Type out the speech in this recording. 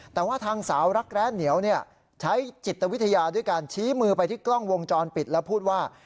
แต่ว่าทางสาวรักแร้เหนียวใช้จิตวิทยาด้วยการชี้มือไปที่กล้องวงจรปิดแล้วพูดว่า